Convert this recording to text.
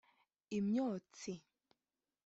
Imyotsi